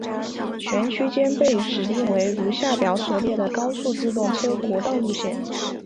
全区间被指定为如下表所列的高速自动车国道路线。